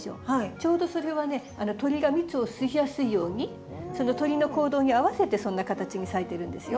ちょうどそれはね鳥が蜜を吸いやすいようにその鳥の行動に合わせてそんな形に咲いてるんですよ。